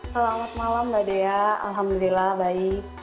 selamat malam mbak dea alhamdulillah baik